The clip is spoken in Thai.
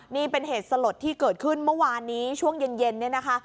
นี่เป็นเหตุสลดที่เกิดขึ้นเมื่อวานนี้ช่วงเย็นเนี่ยนะคะ